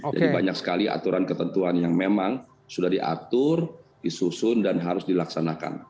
jadi banyak sekali aturan ketentuan yang memang sudah diatur disusun dan harus dilaksanakan